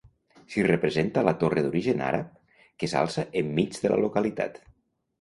S'hi representa la torre d'origen àrab que s'alça enmig de la localitat.